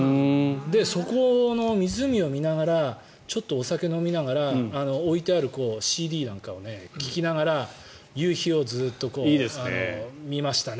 そこの湖を見ながらお酒を飲みながら置いてあるＣＤなんかを聴きながら夕日をずっと見ましたね。